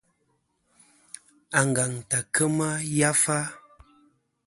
Angantɨ à kema yafa.